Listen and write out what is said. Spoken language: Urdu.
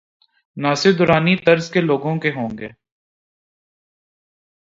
ناصر درانی طرز کے لو گ ہوں۔